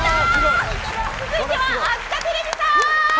続いては、秋田テレビさん。